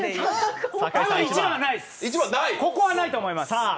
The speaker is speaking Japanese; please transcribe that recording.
１番、ここはないと思います。